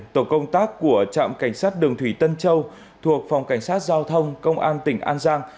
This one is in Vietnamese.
tổ công tác của trạm cảnh sát đường thủy tân châu thuộc phòng cảnh sát giao thông công an tỉnh an giang